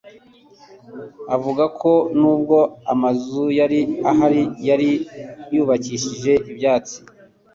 Avuga ko nubwo amazu yari ahari yari yubakishije ibyatsi